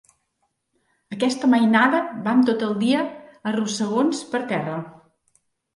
Aquesta mainada van tot el dia a rossegons per terra.